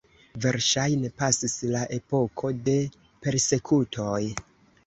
Verŝajne pasis la epoko de persekutoj.